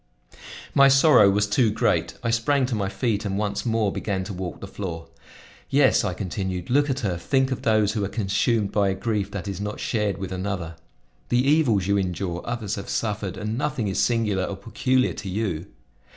My sorrow was too great; I sprang to my feet and once more began to walk the floor. "Yes," I continued, "look at her; think of those who are consumed by a grief that is not shared with another. The evils you endure, others have suffered, and nothing is singular or peculiar to you.